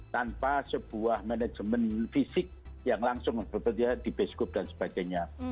tanpa sebuah manajemen fisik yang langsung bekerja di bioskop dan sebagainya